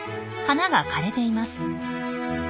花が枯れています。